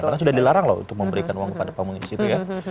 karena sudah dilarang lho untuk memberikan uang kepada pengemis itu ya